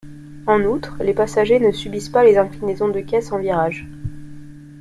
En outre, les passagers ne subissent pas les inclinaisons de caisse en virage.